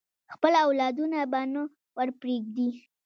خپل اولادونه به نه ورپریږدي.